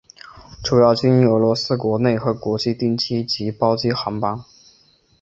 主要经营俄罗斯国内和国际定期及包机航班。